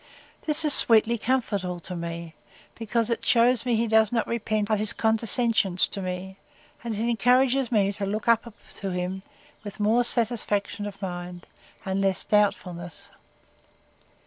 This is sweetly comfortable to me, because it shews me he does not repent of his condescensions to me; and it encourages me to look up to him with more satisfaction of mind, and less doubtfulness.